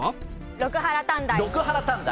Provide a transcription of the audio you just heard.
六波羅探題。